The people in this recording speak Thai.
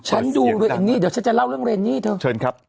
ฉันดูเลยเอมนี่เดี๋ยวฉันจะเล่าเรื่องเรนนี่เธอเชิญครับ